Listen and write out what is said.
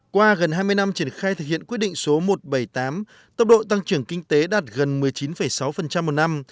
qua gần hai mươi năm triển khai thực hiện quyết định số một trăm bảy mươi tám tốc độ tăng trưởng kinh tế đạt gần một mươi chín sáu một năm